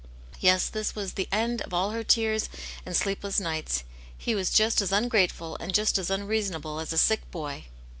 Yes, this was the end of all her tears and sleepless nights; he was just as ungrateful, and just as unreason able as a sick boy.